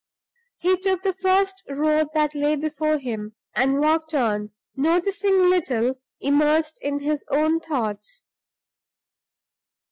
He took the first road that lay before him, and walked on, noticing little, immersed in his own thoughts.